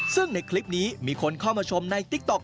ซึ่งในคลิปนี้มีคนเข้ามาชมในติ๊กต๊อ